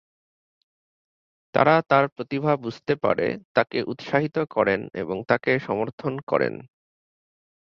তারা তার প্রতিভা বুঝতে পারে, তাকে উৎসাহিত করেন এবং তাকে সমর্থন করেন।